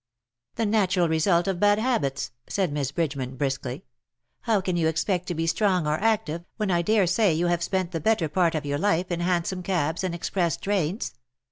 "The natural result of bad habits/'' said Miss Bridgeman, briskly. '^ How can you expect to be strong or active^ when I dare say you have spent the better part of your life in hansom cabs and express trains